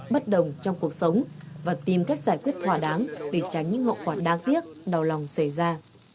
bất đồng trong cuộc sống và tìm cách giải quyết thỏa đáng để tránh những hậu quả đáng tiếc đau lòng xảy ra